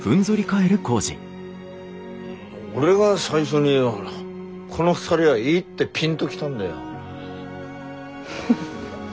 俺が最初にこの２人はいいってピンと来たんだよ。